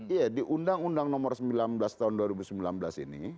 iya di undang undang nomor sembilan belas tahun dua ribu sembilan belas ini